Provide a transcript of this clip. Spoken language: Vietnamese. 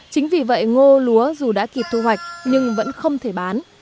chính vì vậy ngô lúa dù đã kịp thu hoạch nhưng vẫn không thể bán